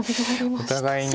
お互いに。